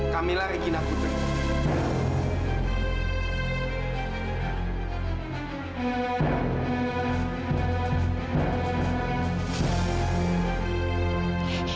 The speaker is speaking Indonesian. kamilah regina putri